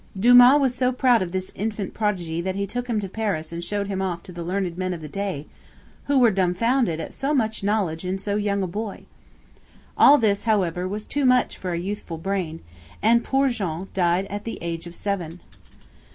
Dumas was so proud of this infant prodigy that he took him to Paris and showed him off to the learned men of the day, who were dumbfounded at so much knowledge in so young a boy. All this, however, was too much for a youthful brain; and poor Jean died at the age of seven.